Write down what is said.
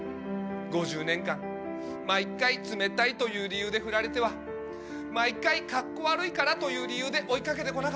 ５０年間毎回冷たいという理由でフラれては毎回カッコ悪いからという理由で追い掛けて来なかった。